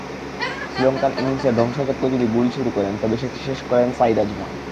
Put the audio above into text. শ্রীলঙ্কার ইনিংসের ধ্বংসজ্ঞ যদি গুল শুরু করেন, তবে সেটি শেষ করেন সাঈদ আজমল।